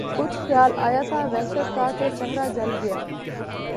کچھ خیال آیا تھا وحشت کا کہ صحرا جل گیا